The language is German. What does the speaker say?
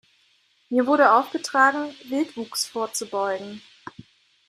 Mir wurde aufgetragen, Wildwuchs vorzubeugen.